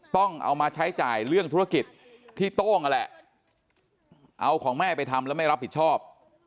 ต้องเอามาใช้จ่ายเรื่องธุรกิจที่โต้งนั่นแหละเอาของแม่ไปทำแล้วไม่รับผิดชอบ